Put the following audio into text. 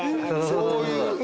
そうそう。